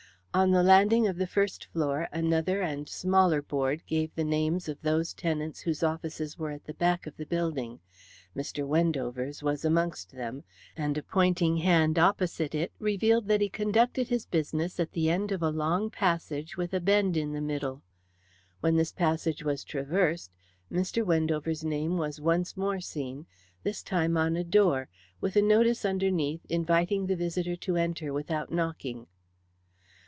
On the landing of the first floor another and smaller board gave the names of those tenants whose offices were at the back of the building. Mr. Wendover's was amongst them, and a pointing hand opposite it revealed that he conducted his business at the end of a long passage with a bend in the middle. When this passage was traversed, Mr. Wendover's name was once more seen, this time on a door, with a notice underneath inviting the visitor to enter without knocking.